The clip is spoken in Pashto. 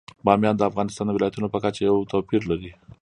بامیان د افغانستان د ولایاتو په کچه یو توپیر لري.